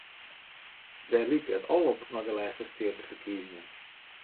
Dêr like it al op nei de lêste steateferkiezingen.